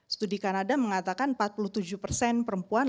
studi kanada mengatakan empat puluh tujuh persen perempuan